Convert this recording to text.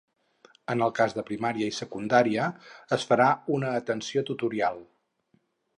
En el cas de primària i secundària es farà una atenció tutorial.